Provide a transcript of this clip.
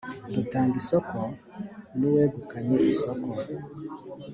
rutanga isoko n uwegukanye isoko